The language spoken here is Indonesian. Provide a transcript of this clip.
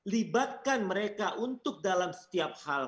libatkan mereka untuk dalam setiap hal